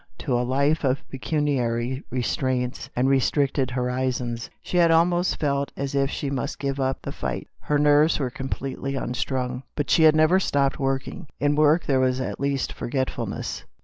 to a life of pecuniary restraints and restricted horizons —" she had almost felt as if she must give up the fight. Her nerves were com pletely unstrung, but she had never stopped working. In work there was at least forget fulness.